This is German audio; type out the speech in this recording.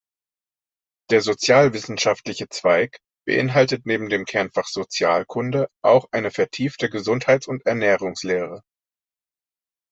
Der "sozialwissenschaftliche Zweig" beinhaltet neben dem Kernfach Sozialkunde auch eine vertiefte Gesundheits- und Ernährungslehre.